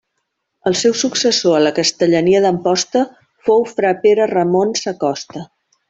El seu successor a la castellania d'Amposta fou fra Pere Ramon Sacosta.